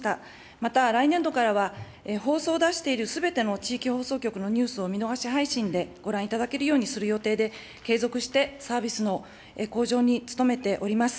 また、来年度からは、放送を出しているすべての地域放送局のニュースを見逃し配信でご覧いただけるようにする予定で、継続してサービスの向上に努めております。